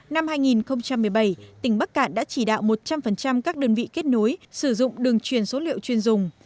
năm hai nghìn một mươi bảy tỉnh bắc cạn đã chỉ đạo một trăm linh các đơn vị kết nối sử dụng đường truyền số liệu chuyên dùng